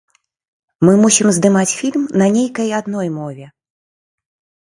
Мы мусім здымаць фільм на нейкай адной мове.